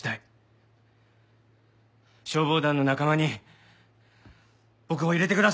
消防団の仲間に僕を入れてください！